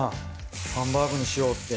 ハンバーグにしようって。